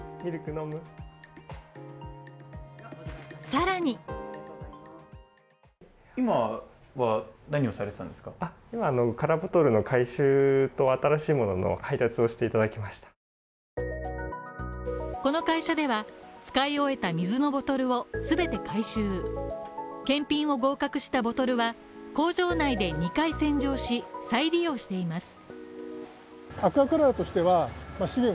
さらにこの会社では、使い終えた水のボトルを全て回収検品を合格したボトルは、工場内で２回洗浄し、再利用しています。